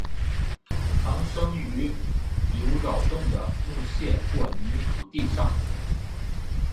常生长于有扰动的木屑或泥土地上。